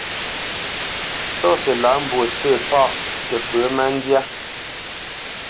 Tsɔ́si lâ mbwǒ sǝ̂ paʼ tǝ pǝ má ndyá.